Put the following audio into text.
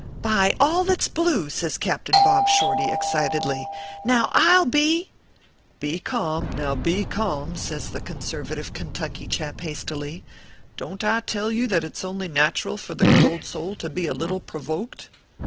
" By all that s blue," says Captain Bob Shorty, excitedly, " now I ll be" " Be calm now, be calm," says the conservative Kentucky chap, hastily, " don t I tell you that it s only natural for the good old soul to be a little pro 372 ORPHEUS C. KERR PAPERS. voked